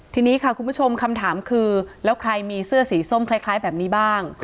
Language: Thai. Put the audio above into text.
ทีนี้ค่ะคุณผู้ชมคำถามคือแล้วใครมีเสื้อสีส้มคล้ายแบบนี้บ้าง